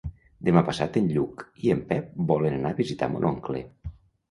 Demà passat en Lluc i en Pep volen anar a visitar mon oncle.